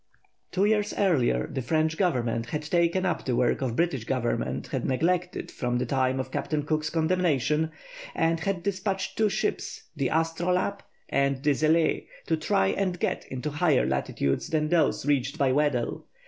Two years earlier the French Government had taken up the work the British Government had neglected from the time of Captain Cook's condemnation, and had despatched two ships, the Astrolabe and the Zelée, to try and get into higher latitudes than those reached by Weddell.